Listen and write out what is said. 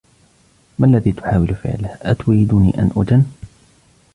ما الذي تحاول فعله؟ أتريدني أن أُجنّ؟